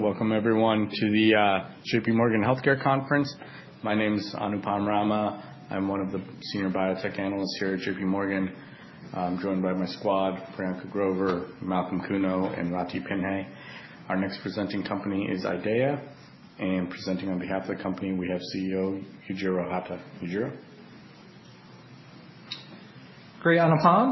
Welcome, everyone, to the JPMorgan Healthcare Conference. My name is Anupam Rama. I'm one of the senior biotech analysts here at JPMorgan. I'm joined by my squad: Priyanka Grover, Malcolm Kuno, and Rathi Pinhasi. Our next presenting company is IDEAYA, and presenting on behalf of the company, we have CEO Yujiro Hata. Yujiro? Great, Anupam.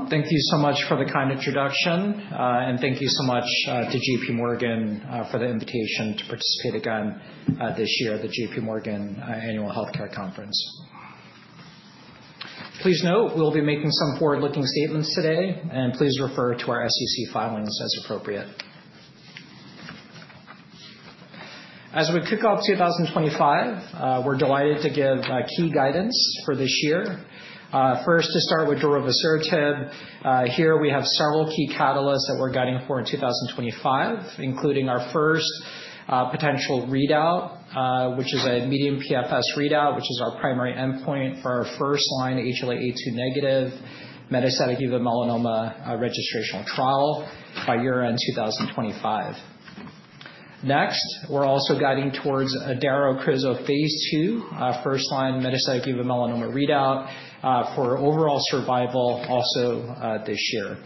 Thank you so much for the kind introduction. And thank you so much to J.P. Morgan for the invitation to participate again this year at the J.P. Morgan Annual Healthcare Conference. Please note we'll be making some forward-looking statements today, and please refer to our SEC filings as appropriate. As we kick off 2025, we're delighted to give key guidance for this year. First, to start with darovasertib, here we have several key catalysts that we're guiding for in 2025, including our first potential readout, which is a median PFS readout, which is our primary endpoint for our first-line HLA-A2 negative metastatic uveal melanoma registration trial by year-end 2025. Next, we're also guiding towards a darovasertib phase II, first-line metastatic uveal melanoma readout for overall survival also this year.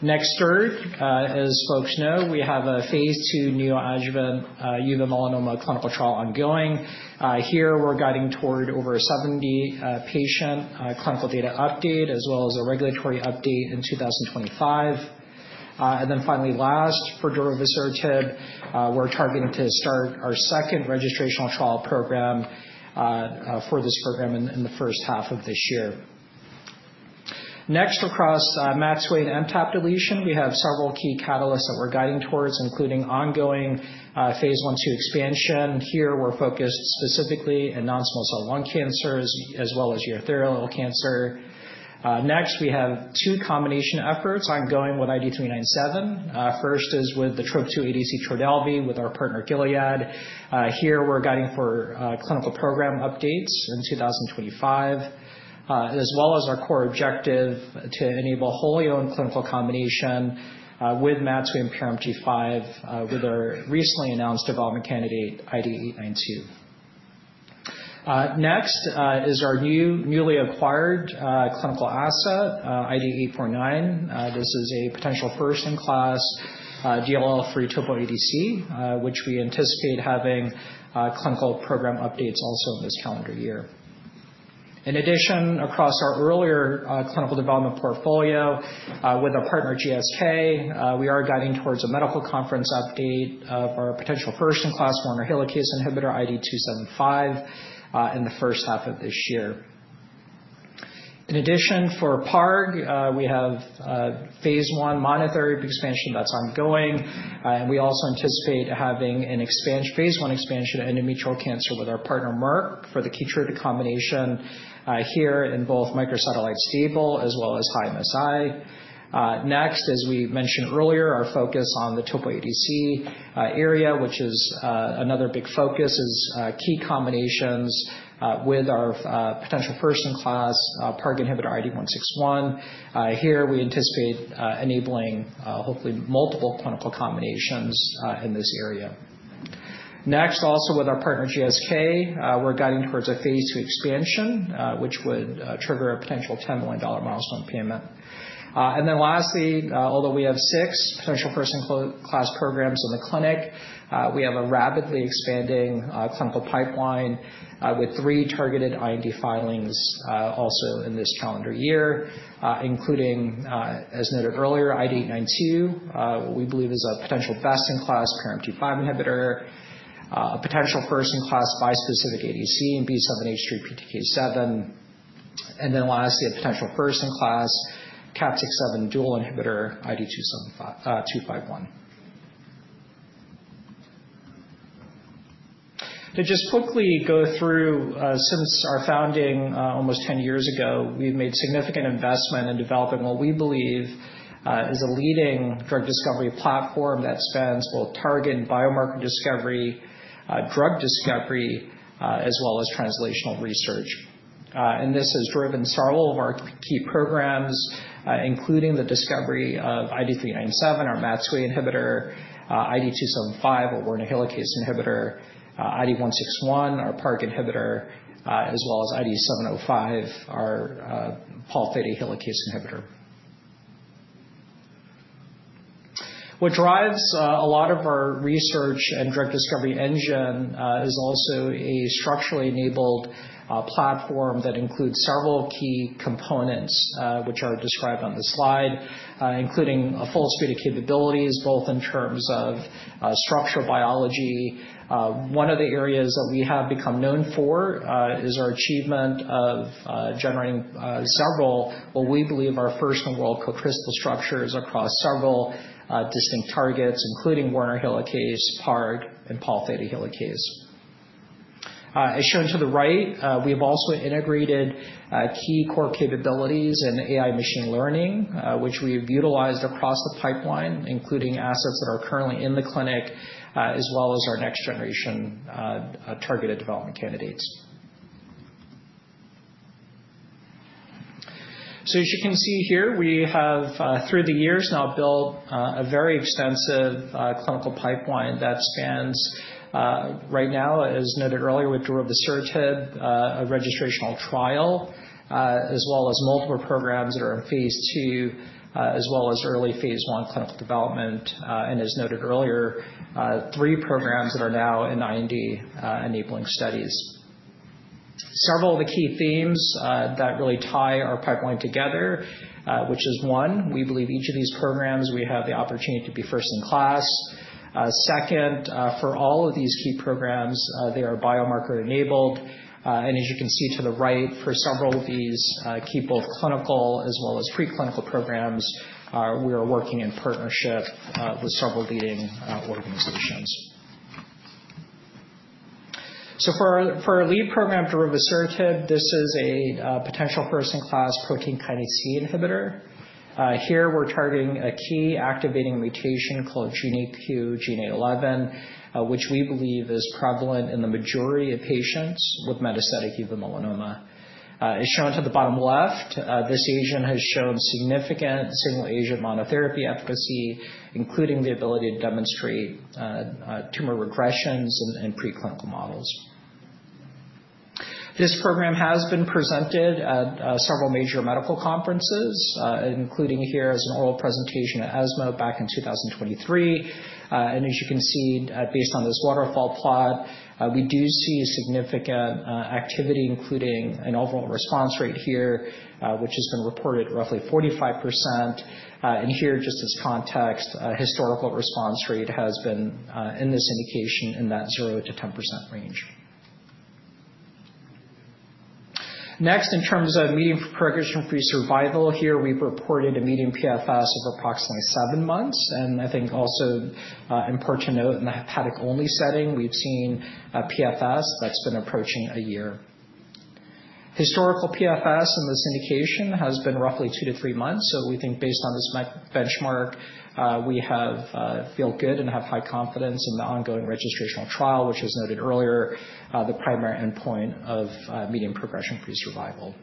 Next third, as folks know, we have a phase II neoadjuvant uveal melanoma clinical trial ongoing. Here, we're guiding toward over 70 patient clinical data update, as well as a regulatory update in 2025. And then finally, last, for darovasertib, we're targeting to start our second registration trial program for this program in the first half of this year. Next, across MAT2A and MTAP deletion, we have several key catalysts that we're guiding towards, including ongoing phase I to II expansion. Here, we're focused specifically on non-small cell lung cancers, as well as urothelial cancer. Next, we have two combination efforts ongoing with IDE397. First is with the TROP2 ADC Trodelvy with our partner Gilead. Here, we're guiding for clinical program updates in 2025, as well as our core objective to enable wholly owned clinical combination with MAT2A and PRMT5 with our recently announced development candidate IDE892. Next is our newly acquired clinical asset, IDE849. This is a potential first-in-class DLL3 topo ADC, which we anticipate having clinical program updates also in this calendar year. In addition, across our earlier clinical development portfolio with our partner GSK, we are guiding towards a medical conference update of our potential first-in-class Werner helicase inhibitor IDE275 in the first half of this year. In addition, for PARG, we have phase I monotherapy expansion that's ongoing, and we also anticipate having a phase I expansion of endometrial cancer with our partner Merck for the Keytruda combination here in both microsatellite stable as well as high MSI. Next, as we mentioned earlier, our focus on the topo ADC area, which is another big focus, is key combinations with our potential first-in-class PARG inhibitor IDE161. Here, we anticipate enabling hopefully multiple clinical combinations in this area. Next, also with our partner GSK, we're guiding towards a phase II expansion, which would trigger a potential $10 million milestone payment. And then lastly, although we have six potential first-in-class programs in the clinic, we have a rapidly expanding clinical pipeline with three targeted IND filings also in this calendar year, including, as noted earlier, IDE892, we believe is a potential best-in-class PRMT5 inhibitor, a potential first-in-class bispecific ADC, and B7-H3 PTK7. And then lastly, a potential first-in-class KAT6 dual inhibitor IDE251. To just quickly go through, since our founding almost 10 years ago, we've made significant investment in developing what we believe is a leading drug discovery platform that spans both target and biomarker discovery, drug discovery, as well as translational research. This has driven several of our key programs, including the discovery of IDE397, our MAT2A inhibitor, IDE275, our Werner helicase inhibitor, IDE161, our PARG inhibitor, as well as IDE705, our Pol Theta helicase inhibitor. What drives a lot of our research and drug discovery engine is also a structurally enabled platform that includes several key components, which are described on the slide, including a full suite of capabilities, both in terms of structural biology. One of the areas that we have become known for is our achievement of generating several, what we believe are first-in-world cocrystal structures across several distinct targets, including Werner helicase, PARG, and Pol Theta helicase. As shown to the right, we have also integrated key core capabilities in AI machine learning, which we have utilized across the pipeline, including assets that are currently in the clinic, as well as our next-generation targeted development candidates. As you can see here, we have, through the years, now built a very extensive clinical pipeline that spans, right now, as noted earlier, with darovasertib, a registrational trial, as well as multiple programs that are in phase II, as well as early phase I clinical development. And as noted earlier, three programs that are now in IND enabling studies. Several of the key themes that really tie our pipeline together, which is, one, we believe each of these programs we have the opportunity to be first-in-class. Second, for all of these key programs, they are biomarker-enabled. And as you can see to the right, for several of these key both clinical as well as preclinical programs, we are working in partnership with several leading organizations. So for our lead program, darovasertib, this is a potential first-in-class protein kinase C inhibitor. Here, we're targeting a key activating mutation called GNAQ GNA11, which we believe is prevalent in the majority of patients with metastatic uveal melanoma. As shown to the bottom left, this agent has shown significant single-agent monotherapy efficacy, including the ability to demonstrate tumor regressions in preclinical models. This program has been presented at several major medical conferences, including here as an oral presentation at ESMO back in 2023, and as you can see, based on this waterfall plot, we do see significant activity, including an overall response rate here, which has been reported roughly 45%. And here, just as context, historical response rate has been in this indication in that 0 to 10% range. Next, in terms of median progression-free survival, here we've reported a median PFS of approximately seven months. Think it is also important to note, in the hepatic-only setting, we've seen a PFS that's been approaching a year. Historical PFS in this indication has been roughly two to three months. We think based on this benchmark, we feel good and have high confidence in the ongoing registrational trial, which was noted earlier, the primary endpoint of median progression-free survival.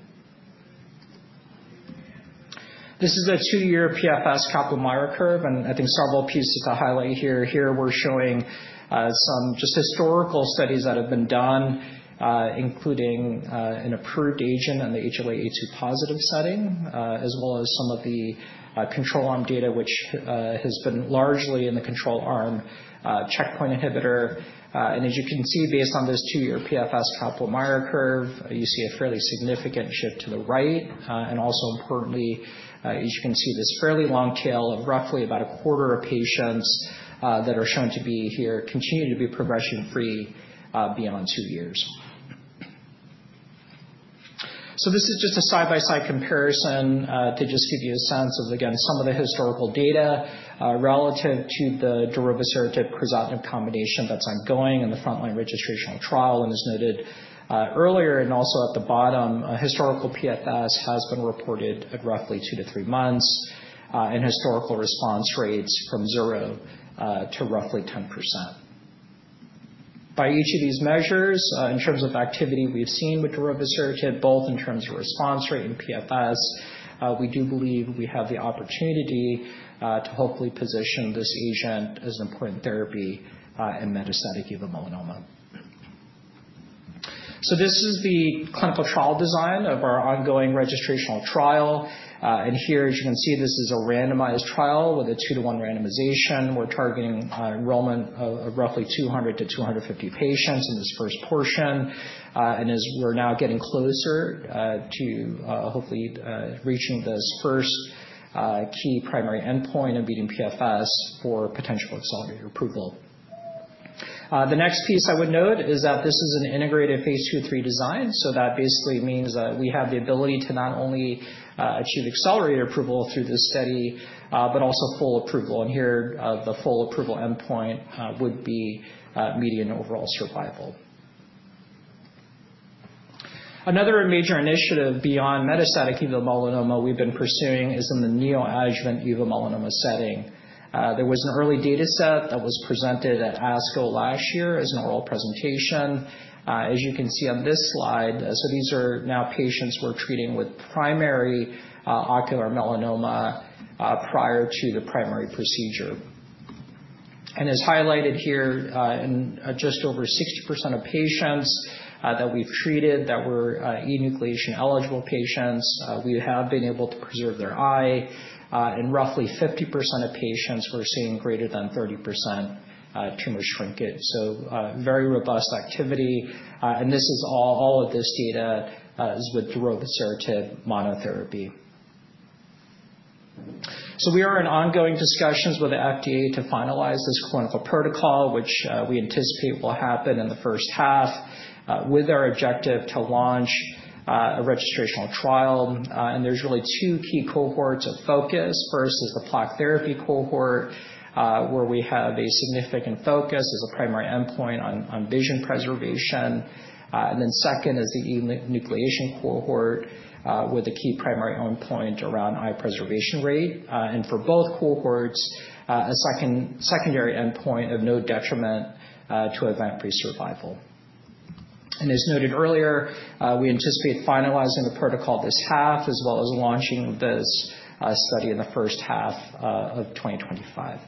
This is a two-year PFS Kaplan-Meier curve. I think several pieces to highlight here. Here we're showing some just historical studies that have been done, including an approved agent in the HLA-A2 positive setting, as well as some of the control arm data, which has been largely in the control arm checkpoint inhibitor. As you can see, based on this two-year PFS Kaplan-Meier curve, you see a fairly significant shift to the right. Also importantly, as you can see, this fairly long tail of roughly about a quarter of patients that are shown to be here continue to be progression-free beyond two years. This is just a side-by-side comparison to just give you a sense of, again, some of the historical data relative to the darovasertib-crizotinib combination that's ongoing in the frontline registrational trial. As noted earlier and also at the bottom, historical PFS has been reported at roughly two to three months and historical response rates from 0% to roughly 10%. By each of these measures, in terms of activity we've seen with darovasertib, both in terms of response rate and PFS, we do believe we have the opportunity to hopefully position this agent as an important therapy in metastatic uveal melanoma. This is the clinical trial design of our ongoing registrational trial. And here, as you can see, this is a randomized trial with a two-to-one randomization. We're targeting enrollment of roughly 200 to 250 patients in this first portion. And as we're now getting closer to hopefully reaching this first key primary endpoint of median PFS for potential accelerated approval. The next piece I would note is that this is an integrated phase II/III design. So that basically means that we have the ability to not only achieve accelerated approval through this study, but also full approval. And here, the full approval endpoint would be median overall survival. Another major initiative beyond metastatic uveal melanoma we've been pursuing is in the neoadjuvant uveal melanoma setting. There was an early data set that was presented at ASCO last year as an oral presentation. As you can see on this slide, so these are now patients we're treating with primary ocular melanoma prior to the primary procedure. And as highlighted here, in just over 60% of patients that we've treated that were enucleation eligible patients, we have been able to preserve their eye, and roughly 50% of patients we're seeing greater than 30% tumor shrinkage, so very robust activity, and this is all of this data is with darovasertib monotherapy, so we are in ongoing discussions with the FDA to finalize this clinical protocol, which we anticipate will happen in the first half with our objective to launch a registrational trial, and there's really two key cohorts of focus. First is the plaque therapy cohort, where we have a significant focus as a primary endpoint on vision preservation. And then second is the enucleation cohort with a key primary endpoint around eye preservation rate. And for both cohorts, a secondary endpoint of no detriment to event-free survival. And as noted earlier, we anticipate finalizing the protocol this half, as well as launching this study in the first half of 2025.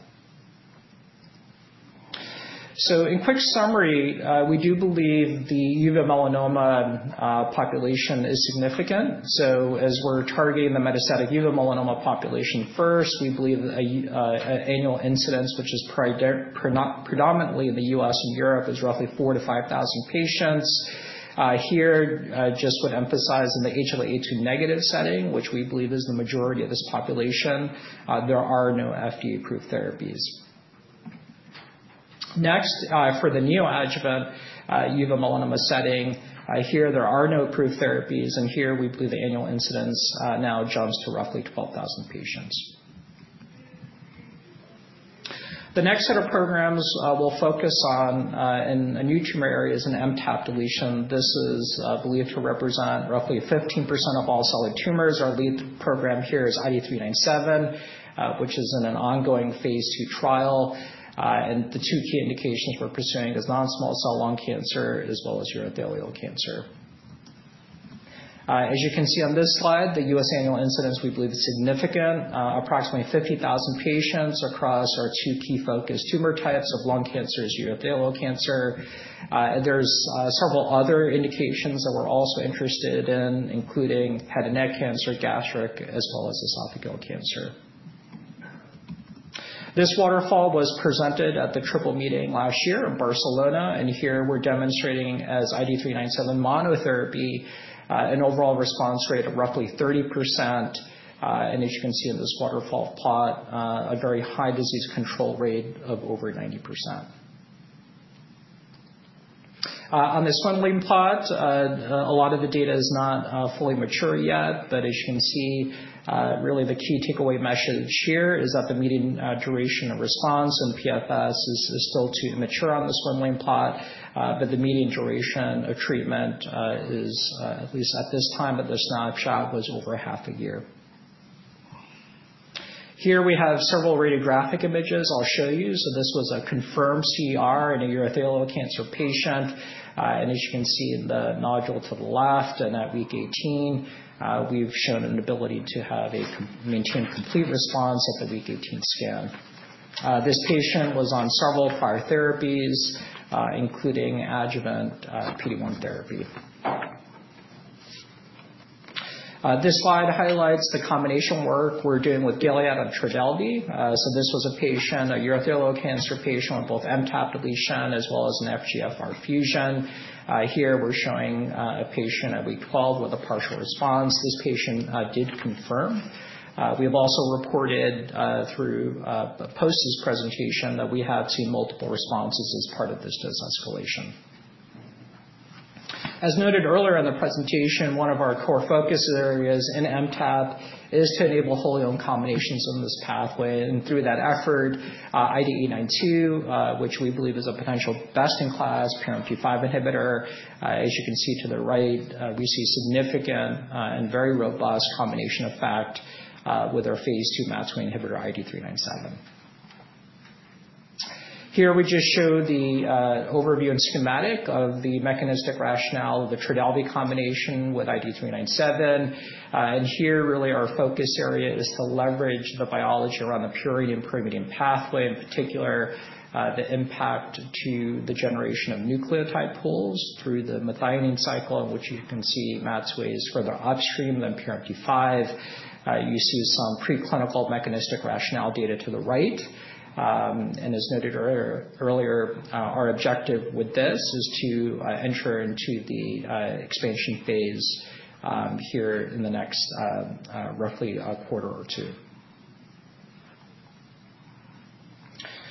So in quick summary, we do believe the uveal melanoma population is significant. So as we're targeting the metastatic uveal melanoma population first, we believe annual incidence, which is predominantly in the US and Europe, is roughly 4,000 to 5,000 patients. Here, just would emphasize in the HLA-A2 negative setting, which we believe is the majority of this population, there are no FDA-approved therapies. Next, for the neoadjuvant uveal melanoma setting, here there are no approved therapies. And here, we believe the annual incidence now jumps to roughly 12,000 patients. The next set of programs we'll focus on in a new tumor area is an MTAP deletion. This is believed to represent roughly 15% of all solid tumors. Our lead program here is IDE397, which is in an ongoing phase II trial. And the two key indications we're pursuing are non-small cell lung cancer as well as urothelial cancer. As you can see on this slide, the US annual incidence we believe is significant, approximately 50,000 patients across our two key focus tumor types of lung cancers and urothelial cancer. And there's several other indications that we're also interested in, including head and neck cancer, gastric, as well as esophageal cancer. This waterfall was presented at the Triple Meeting last year in Barcelona. And here, we're demonstrating as IDE397 monotherapy an overall response rate of roughly 30%. As you can see in this waterfall plot, a very high disease control rate of over 90%. On this one-arm plot, a lot of the data is not fully mature yet. As you can see, really the key takeaway message here is that the median duration of response in PFS is still too immature on this one-arm plot. The median duration of treatment is, at least at this time, at this snapshot, was over half a year. Here we have several radiographic images I'll show you. This was a confirmed cCR in a urothelial cancer patient. As you can see in the nodule to the left, and at week 18, we've shown an ability to have a maintained complete response at the week 18 scan. This patient was on several prior therapies, including adjuvant PD-1 therapy. This slide highlights the combination work we're doing with Gilead and Trodelvy. So this was a patient, a urothelial cancer patient with both MTAP deletion as well as an FGFR fusion. Here we're showing a patient at week 12 with a partial response. This patient did confirm. We have also reported through posters this presentation that we have seen multiple responses as part of this dose escalation. As noted earlier in the presentation, one of our core focus areas in MTAP is to enable wholly-owned combinations in this pathway. And through that effort, IDE892, which we believe is a potential best-in-class PRMT5 inhibitor, as you can see to the right, we see significant and very robust combination effect with our phase II MAT2 inhibitor IDE397. Here we just show the overview and schematic of the mechanistic rationale of the Trodelvy combination with IDE397. And here, really, our focus area is to leverage the biology around the purine and pyrimidine pathway, in particular the impact to the generation of nucleotide pools through the methionine cycle, in which you can see MAT2A is further upstream than PRMT5. You see some preclinical mechanistic rationale data to the right. And as noted earlier, our objective with this is to enter into the expansion phase here in the next roughly a quarter or two.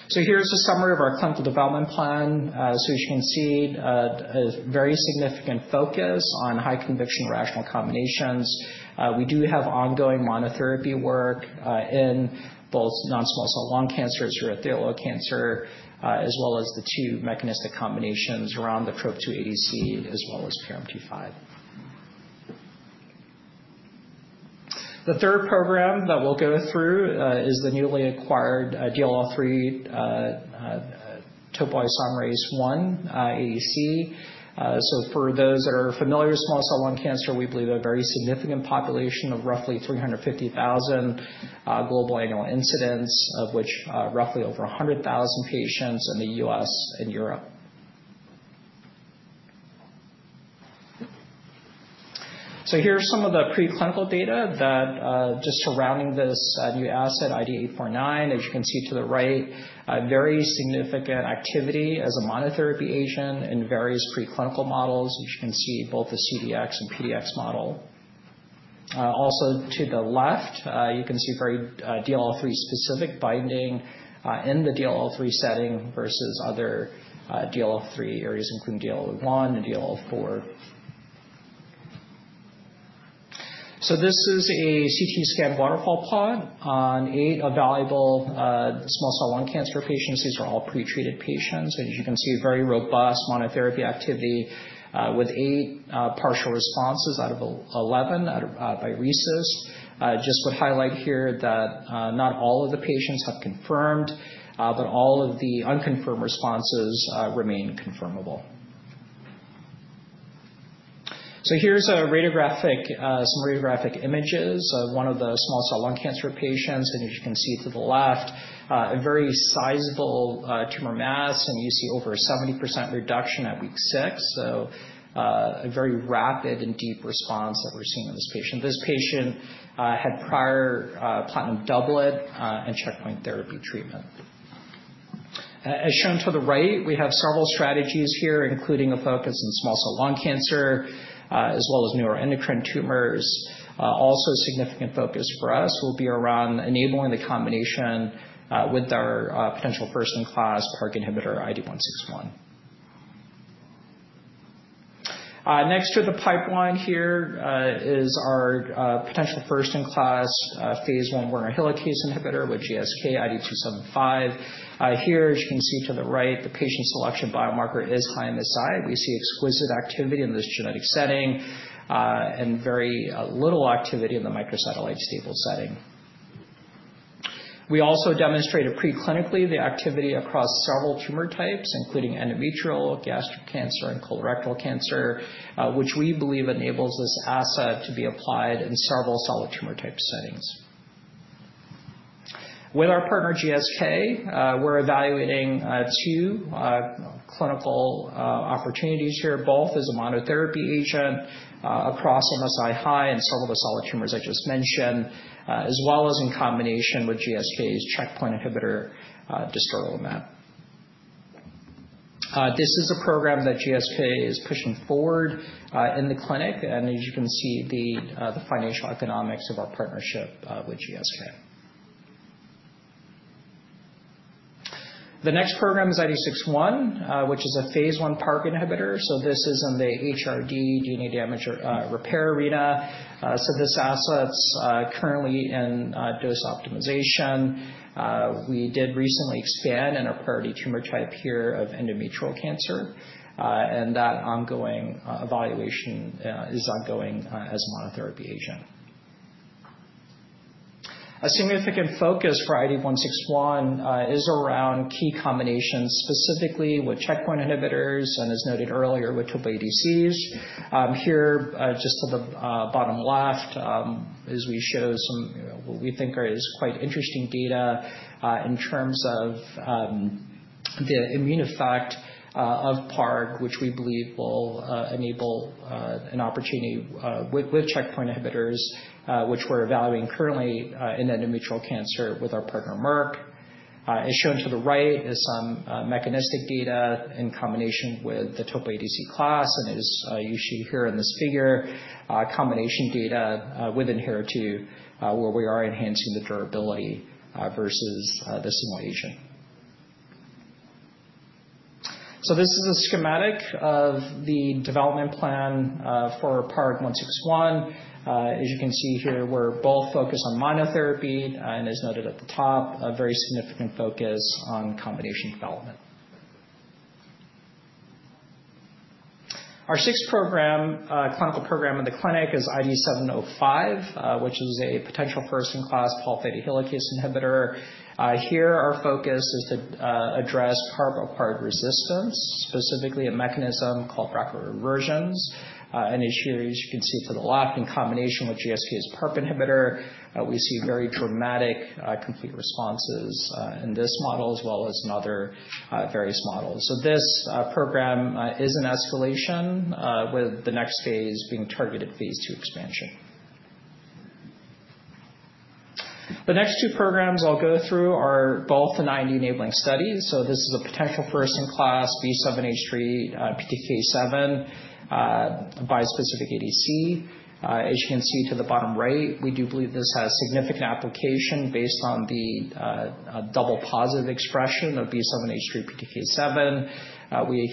So here's a summary of our clinical development plan. So as you can see, a very significant focus on high-conviction rational combinations. We do have ongoing monotherapy work in both non-small cell lung cancers, urothelial cancer, as well as the two mechanistic combinations around the TROP2 ADC as well as PRMT5. The third program that we'll go through is the newly acquired DLL3 topoisomerase I ADC. For those that are familiar with small cell lung cancer, we believe a very significant population of roughly 350,000 global annual incidence, of which roughly over 100,000 patients in the US and Europe. Here's some of the preclinical data that's just surrounding this new asset, IDE849. As you can see to the right, very significant activity as a monotherapy agent in various preclinical models. As you can see, both the CDX and PDX model. Also to the left, you can see very DLL3 specific binding in the DLL3 setting versus other DLL areas, including DLL1 and DLL4. This is a CT scan waterfall plot on eight evaluable small cell lung cancer patients. These are all pretreated patients. As you can see, very robust monotherapy activity with eight partial responses out of 11 by RECIST. just would highlight here that not all of the patients have confirmed, but all of the unconfirmed responses remain confirmable. Here's some radiographic images of one of the small cell lung cancer patients. As you can see to the left, a very sizable tumor mass. You see over 70% reduction at week six. This is a very rapid and deep response that we're seeing in this patient. This patient had prior platinum doublet and checkpoint therapy treatment. As shown to the right, we have several strategies here, including a focus in small cell lung cancer as well as neuroendocrine tumors. A significant focus for us will be around enabling the combination with our potential first-in-class PARG inhibitor IDE161. Next to the pipeline here is our potential first-in-class phase I Werner helicase inhibitor with GSK, IDE275. Here, as you can see to the right, the patient selection biomarker is high MSI. We see exquisite activity in this genetic setting and very little activity in the microsatellite stable setting. We also demonstrate preclinically the activity across several tumor types, including endometrial, gastric cancer, and colorectal cancer, which we believe enables this asset to be applied in several solid tumor type settings. With our partner GSK, we're evaluating two clinical opportunities here, both as a monotherapy agent across MSI high and several of the solid tumors I just mentioned, as well as in combination with GSK's checkpoint inhibitor dostarlimab. This is a program that GSK is pushing forward in the clinic, and as you can see the financial economics of our partnership with GSK. The next program is IDE161, which is a phase I PARG inhibitor, so this is in the HRD DNA damage repair arena. So this asset's currently in dose optimization. We did recently expand in our priority tumor type here of endometrial cancer. And that ongoing evaluation is ongoing as a monotherapy agent. A significant focus for IDE161 is around key combinations specifically with checkpoint inhibitors and, as noted earlier, with topo ADCs. Here, just to the bottom left, as we show somewhat what we think are quite interesting data in terms of the immune effect of PARG, which we believe will enable an opportunity with checkpoint inhibitors, which we're evaluating currently in endometrial cancer with our partner Merck. As shown to the right is some mechanistic data in combination with the topo ADC class. And as you see here in this figure, combination data with Enhertu where we are enhancing the durability versus the single agent. So this is a schematic of the development plan for IDE161. As you can see here, we're both focused on monotherapy. And as noted at the top, a very significant focus on combination development. Our sixth clinical program in the clinic is IDE705, which is a potential first-in-class Pol Theta helicase inhibitor. Here, our focus is to address PARP-acquired resistance, specifically a mechanism called BRCA reversions. And as here, as you can see to the left, in combination with GSK's PARP inhibitor, we see very dramatic complete responses in this model as well as in other various models. So this program is in escalation with the next phase being targeted phase II expansion. The next two programs I'll go through are both the IND-enabling studies. So this is a potential first-in-class B7-H3 PTK7 bispecific ADC. As you can see to the bottom right, we do believe this has significant application based on the double-positive expression of B7-H3 PTK7.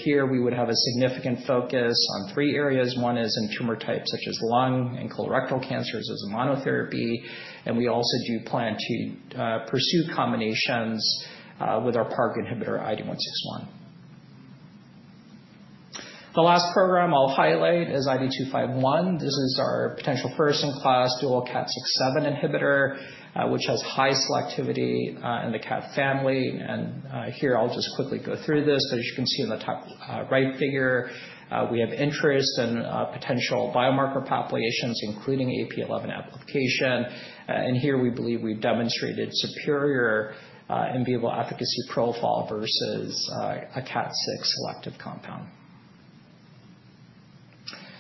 Here, we would have a significant focus on three areas. One is in tumor types such as lung and colorectal cancers as a monotherapy, and we also do plan to pursue combinations with our PARG inhibitor IDE161. The last program I'll highlight is IDE251. This is our potential first-in-class dual KAT6 inhibitor, which has high selectivity in the KAT family, and here, I'll just quickly go through this, but as you can see in the top right figure, we have interest in potential biomarker populations, including 8p11 application, and here, we believe we've demonstrated superior in vitro efficacy profile versus a KAT6 selective compound,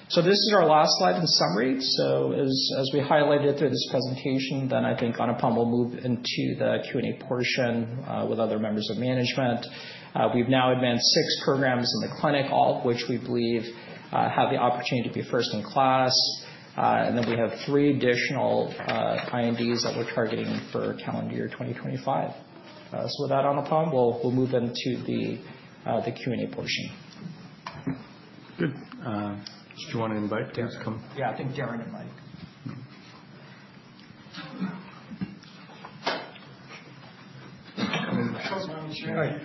so this is our last slide in summary, so as we highlighted through this presentation, then I think upon, we'll move into the Q&A portion with other members of management. We've now advanced six programs in the clinic, all of which we believe have the opportunity to be first-in-class. And then we have three additional INDs that we're targeting for calendar year 2025. So with that, on that note, we'll move into the Q&A portion. Good. Did you want to invite them to come? Yeah. I think Darrin and Mike. Hi.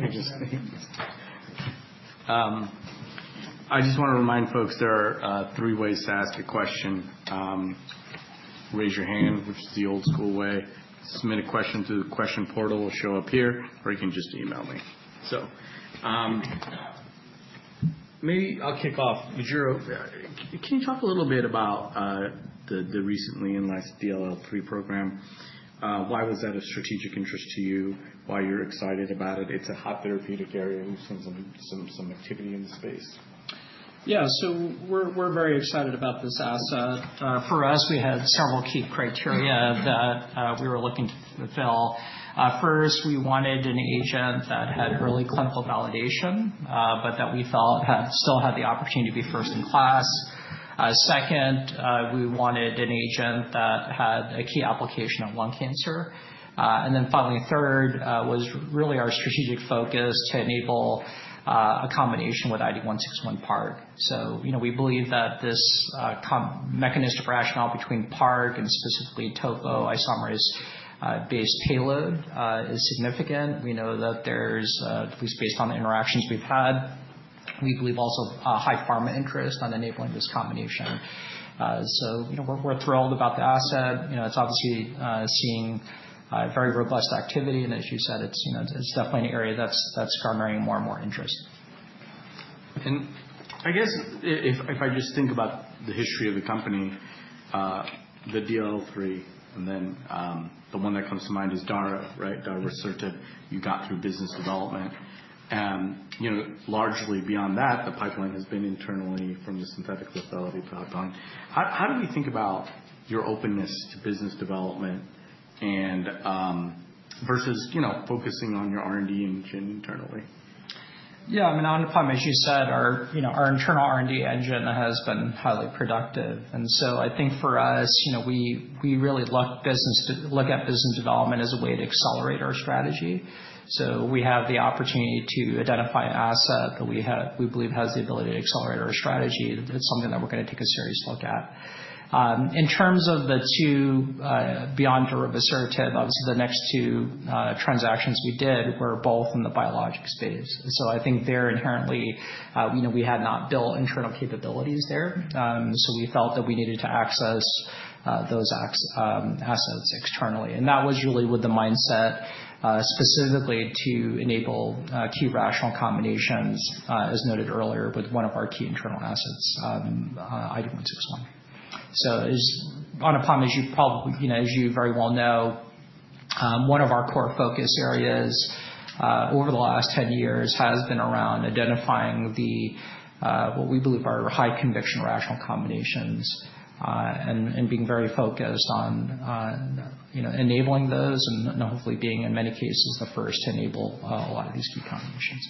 You're just thinking. I just want to remind folks, there are three ways to ask a question. Raise your hand, which is the old-school way. Submit a question through the question portal. It'll show up here. Or you can just email me. So maybe I'll kick off. Can you talk a little bit about the recently in-license DLL3 program? Why was that a strategic interest to you? Why you're excited about it? It's a hot therapeutic area. We've seen some activity in the space. Yeah, so we're very excited about this asset. For us, we had several key criteria that we were looking to fulfill. First, we wanted an agent that had early clinical validation, but that we felt still had the opportunity to be first-in-class. Second, we wanted an agent that had a key application in lung cancer. And then finally, third was really our strategic focus to enable a combination with IDE161 PARG. So we believe that this mechanistic rationale between PARG and specifically topoisomerase-based payload is significant. We know that there's, at least based on the interactions we've had, we believe also high pharma interest on enabling this combination. So we're thrilled about the asset. It's obviously seeing very robust activity. And as you said, it's definitely an area that's garnering more and more interest. And I guess if I just think about the history of the company, the DLL3, and then the one that comes to mind is Dara, right? darovasertib you got through business development. And largely beyond that, the pipeline has been internally from the synthetic lethality pipeline. How do we think about your openness to business development versus focusing on your R&D engine internally? Yeah. I mean, Anupam, as you said, our internal R&D engine has been highly productive, and so I think for us, we really look at business development as a way to accelerate our strategy, so we have the opportunity to identify an asset that we believe has the ability to accelerate our strategy. It's something that we're going to take a serious look at. In terms of the two beyond darovasertib assets, obviously, the next two transactions we did were both in the biologic space, so I think there inherently, we had not built internal capabilities there, so we felt that we needed to access those assets externally, and that was really with the mindset specifically to enable key rational combinations, as noted earlier, with one of our key internal assets, IDE161. Anupam, as you very well know, one of our core focus areas over the last 10 years has been around identifying what we believe are high-conviction rational combinations and being very focused on enabling those and hopefully being, in many cases, the first to enable a lot of these key combinations.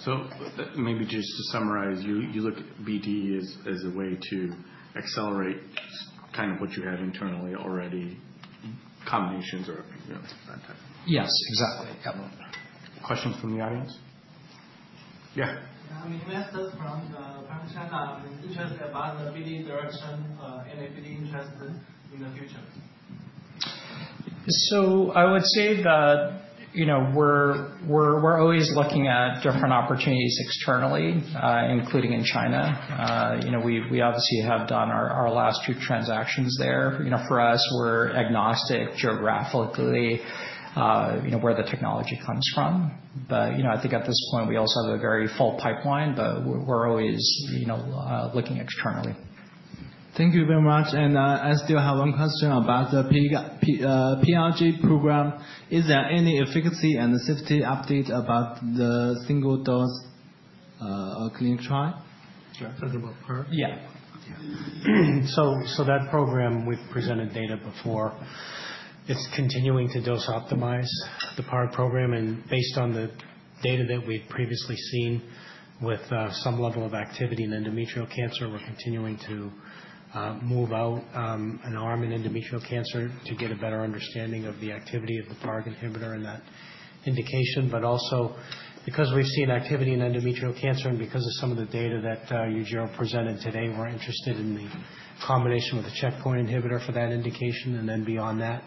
So maybe just to summarize, you look at BD as a way to accelerate kind of what you have internally already, combinations or that type of thing. Yes. Exactly. Yep. Questions from the audience? Yeah. Yeah. I mean, you may ask us for permission. I'm interested in the BD direction and BD interest in the future. So I would say that we're always looking at different opportunities externally, including in China. We obviously have done our last two transactions there. For us, we're agnostic geographically where the technology comes from. But I think at this point, we also have a very full pipeline, but we're always looking externally. Thank you very much. And I still have one question about the PARG program. Is there any efficacy and safety update about the single-dose clinical trial? Yeah. Talking about PARG? Yeah. So that program, we've presented data before. It's continuing to dose optimize the PARG program. And based on the data that we've previously seen with some level of activity in endometrial cancer, we're continuing to move out an arm in endometrial cancer to get a better understanding of the activity of the PARG inhibitor in that indication. But also, because we've seen activity in endometrial cancer and because of some of the data that you, Yujiro, presented today, we're interested in the combination with a checkpoint inhibitor for that indication. And then beyond that,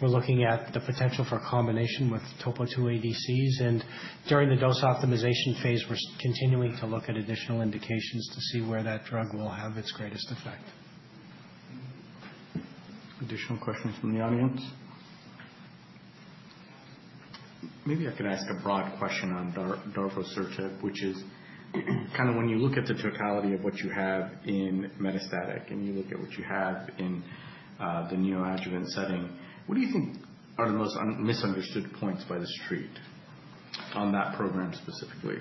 we're looking at the potential for a combination with topo II ADCs. And during the dose optimization phase, we're continuing to look at additional indications to see where that drug will have its greatest effect. Additional questions from the audience? Maybe I can ask a broad question on darovasertib, which is kind of when you look at the totality of what you have in metastatic and you look at what you have in the neoadjuvant setting, what do you think are the most misunderstood points by the street on that program specifically?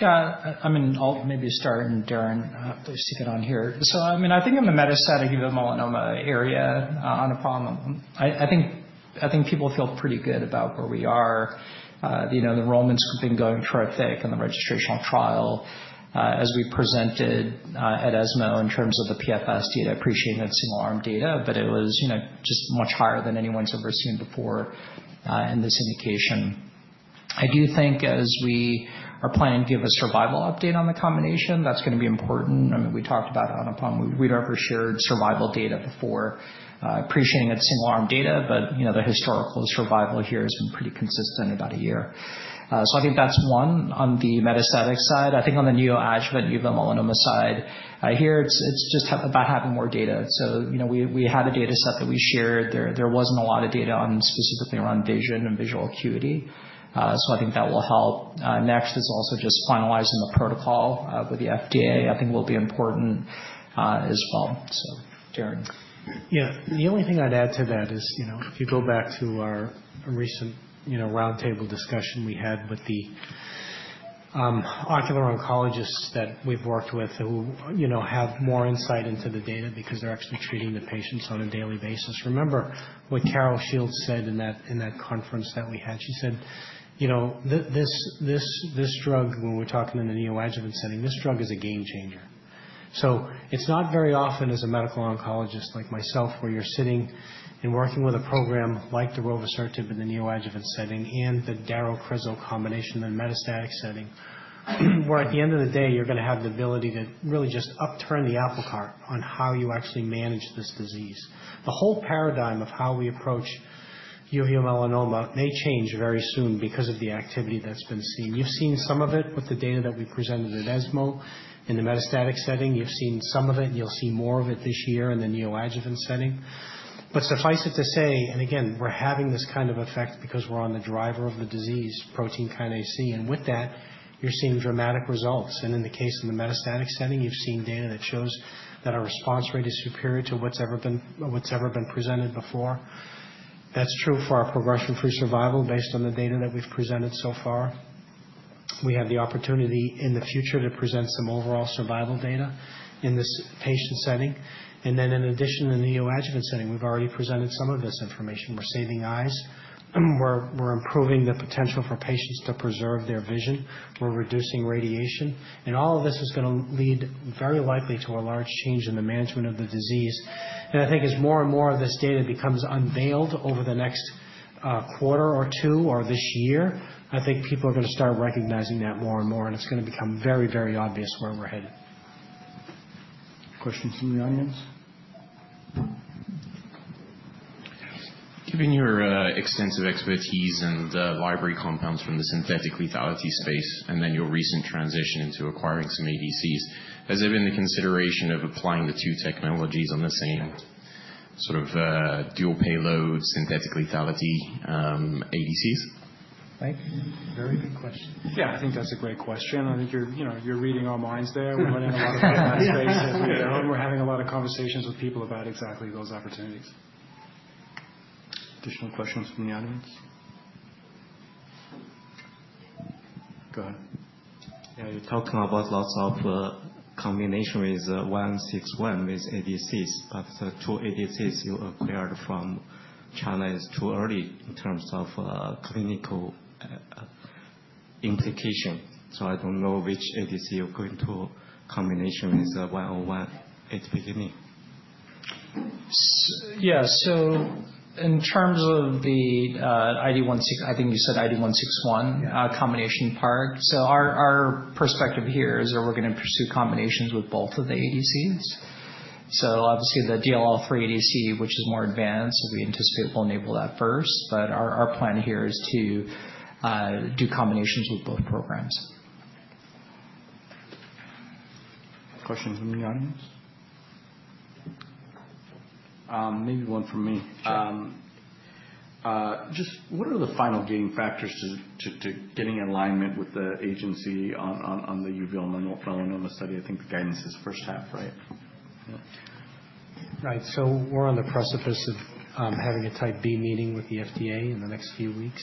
Yeah. I mean, I'll maybe start, and Darren please jump in here. So I mean, I think in the metastatic uveal melanoma area overall, I think people feel pretty good about where we are. The enrollments have been going terrific and the registration trial, as we presented at ESMO in terms of the PFS data, I appreciate that single-arm data, but it was just much higher than anyone's ever seen before in this indication. I do think as we are planning to give a survival update on the combination, that's going to be important. I mean, we talked about it on the phone. We'd never shared survival data before. Appreciating that single-arm data, but the historical survival here has been pretty consistent about a year. So I think that's one on the metastatic side. I think on the neoadjuvant uveal melanoma side, here, it's just about having more data. So we had a dataset that we shared. There wasn't a lot of data on specifically around vision and visual acuity. So I think that will help. Next is also just finalizing the protocol with the FDA, I think will be important as well. So Darren? Yeah. The only thing I'd add to that is if you go back to our recent roundtable discussion we had with the ocular oncologists that we've worked with who have more insight into the data because they're actually treating the patients on a daily basis. Remember what Carol Shields said in that conference that we had? She said, "This drug, when we're talking in the neoadjuvant setting, this drug is a game changer." So it's not very often as a medical oncologist like myself where you're sitting and working with a program like the darovasertib in the neoadjuvant setting and the darovasertib crizotinib combination in the metastatic setting where at the end of the day, you're going to have the ability to really just upturn the apple cart on how you actually manage this disease. The whole paradigm of how we approach uveal melanoma may change very soon because of the activity that's been seen. You've seen some of it with the data that we presented at ESMO in the metastatic setting. You've seen some of it, and you'll see more of it this year in the neoadjuvant setting. But suffice it to say, and again, we're having this kind of effect because we're on the driver of the disease, Protein Kinase C. And with that, you're seeing dramatic results. And in the case of the metastatic setting, you've seen data that shows that our response rate is superior to what's ever been presented before. That's true for our progression-free survival based on the data that we've presented so far. We have the opportunity in the future to present some overall survival data in this patient setting. And then in addition, in the neoadjuvant setting, we've already presented some of this information. We're saving eyes. We're improving the potential for patients to preserve their vision. We're reducing radiation. And all of this is going to lead very likely to a large change in the management of the disease. And I think as more and more of this data becomes unveiled over the next quarter or two or this year, I think people are going to start recognizing that more and more. And it's going to become very, very obvious where we're headed. Questions from the audience? Given your extensive expertise and library compounds from the synthetic lethality space and then your recent transition into acquiring some ADCs, has there been the consideration of applying the two technologies on the same sort of dual payload synthetic lethality ADCs? Thank you. Very good question. Yeah. I think that's a great question. I think you're reading our minds there. We're running a lot of business in that space, and we're having a lot of conversations with people about exactly those opportunities. Additional questions from the audience? Go ahead. Yeah, you're talking about lots of combination with 161 with ADCs, but two ADCs you acquired from China is too early in terms of clinical implication, so I don't know which ADC you're going to combination with 101 at the beginning. Yeah. So in terms of the IDE161, I think you said IDE161 combination PARG. So our perspective here is that we're going to pursue combinations with both of the ADCs. So obviously, the DLL3 ADC, which is more advanced, we anticipate we'll enable that first. But our plan here is to do combinations with both programs. Questions from the audience? Maybe one from me. Just what are the final gating factors to getting alignment with the agency on the uveal melanoma study? I think the guidance is first half, right? Right, so we're on the precipice of having a type B meeting with the FDA in the next few weeks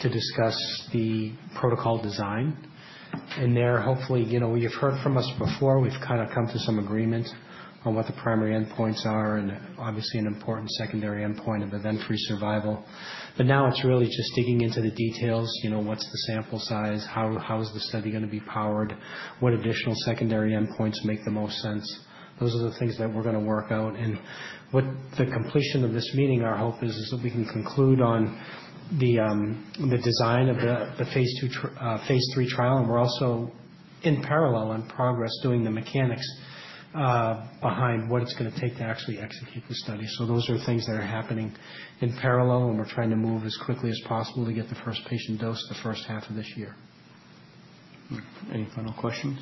to discuss the protocol design, and there, hopefully, you've heard from us before. We've kind of come to some agreement on what the primary endpoints are and obviously an important secondary endpoint of event-free survival, but now it's really just digging into the details. What's the sample size? How is the study going to be powered? What additional secondary endpoints make the most sense? Those are the things that we're going to work out, and with the completion of this meeting, our hope is that we can conclude on the design of the phase 3 trial. And we're also, in parallel, in progress doing the mechanics behind what it's going to take to actually execute the study. So those are things that are happening in parallel, and we're trying to move as quickly as possible to get the first patient dose the first half of this year. Any final questions?